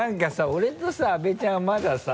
俺とさ阿部ちゃんはまださ。